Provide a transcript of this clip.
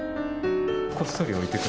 こっそり置いていく。